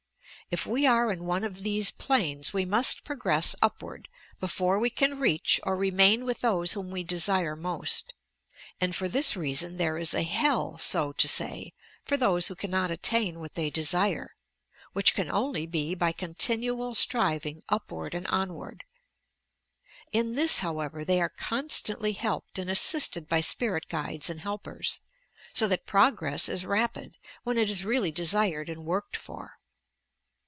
If we arc in one of these planes, we must progress upward, before we can reach or re main with those whom we desire most ; and for this reason there is a "hell," so to say, for those who can not attain what they desire, — ^which can only be by continual striving upward and onward In this, how ever, they are constantly helped and assisted by spirit guides and helpers; so that progress ia rapid, when it is really desired and worked for.